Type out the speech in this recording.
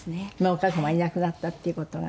お母様いなくなったっていう事が。